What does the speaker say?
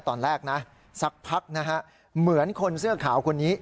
ตอนแรกนะสักพักนะฮะเหมือนคนเสื้อขาวคนนี้